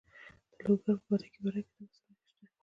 د لوګر په برکي برک کې د مسو نښې شته.